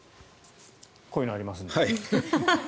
こういうのがありますので。